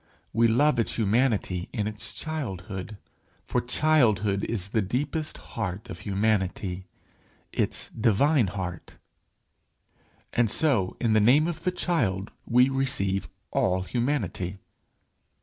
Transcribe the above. We love its humanity in its childhood, for childhood is the deepest heart of humanity its divine heart; and so in the name of the child we receive all humanity.